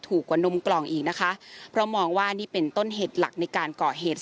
ถูกกว่านมกล่องอีกนะคะเพราะมองว่านี่เป็นต้นเหตุหลักในการก่อเหตุ